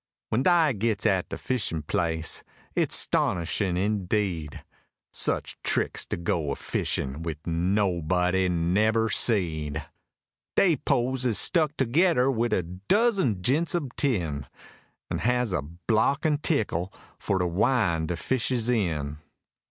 When dy gits at de fishin' place, it's 'stonishin' indeed! Such tricks to go a fishin' wid nobody nebber seed: Dey poles is stuck togedder wid a dozen jints ob tin, An' has a block an' teeckle for to win' de fishes in!